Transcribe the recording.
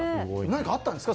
何かあったんですか？